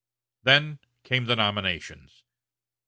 Then came the nominations.